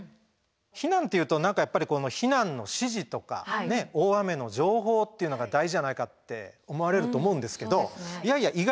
避難っていうと何かやっぱり避難の指示とか大雨の情報っていうのが大事じゃないかって思われると思うんですけどいやいや